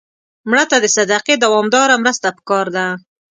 مړه ته د صدقې دوامداره مرسته پکار ده